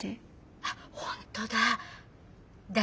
あっ本当だ。